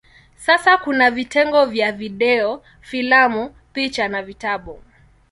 Sasa kuna vitengo vya video, filamu, picha na vitabu.